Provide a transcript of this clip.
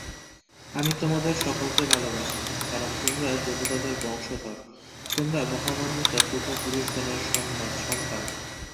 আমি তোমাদের সকলকে ভালবাসি, কারণ তোমরা দেবতাদের বংশধর, তোমরা মহামহিমান্বিত পূর্বপুরূষগণের সন্তান।